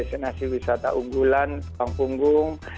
destinasi wisata unggulan tulang punggung